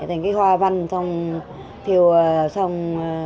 thành cái hoa văn xong thiêu xong